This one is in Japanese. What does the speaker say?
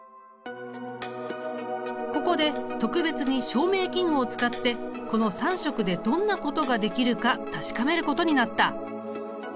ここで特別に照明器具を使ってこの３色でどんなことができるか確かめることになった！